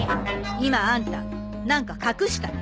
今あんた何か隠したね。